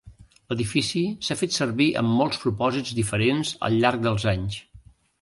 L'edifici s'ha fet servir amb molts propòsits diferents al llarg dels anys.